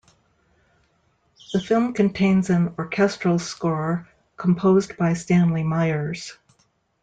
The film contains an orchestral score composed by Stanley Myers.